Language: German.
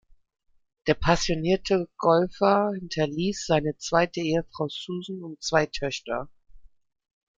Der passionierte Golfer hinterließ seine zweite Ehefrau Susan und zwei Töchter.